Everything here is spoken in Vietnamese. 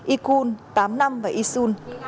y khun tám năm và y sun